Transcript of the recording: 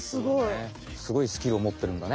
すごいスキルをもってるんだね。